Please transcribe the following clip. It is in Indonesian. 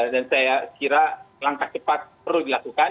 dan saya kira langkah cepat perlu dilakukan